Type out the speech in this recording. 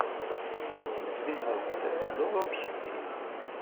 Tettbineḍ-d n Luṛup kemmi.